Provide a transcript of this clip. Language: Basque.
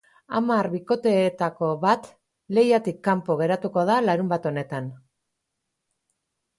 Hamar bikoteetako bat lehiatik kanpo geratuko da larunbat honetan.